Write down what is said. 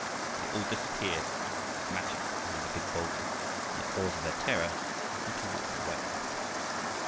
They all disappeared like magic behind a big boulder, and the cause of their terror had to walk away.